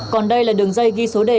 còn đây là đường dây ghi số đề